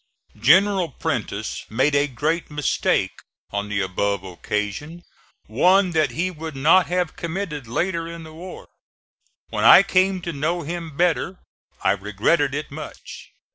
General Prentiss made a great mistake on the above occasion, one that he would not have committed later in the war. When I came to know him better, I regretted it much.